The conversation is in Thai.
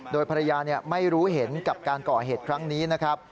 โดยภรรยาไม่รู้เห็นกับการก่อเหตุครั้งนี้นะครับ